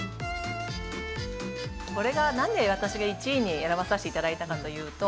これがなんで私が１位に選ばさせて頂いたかというと。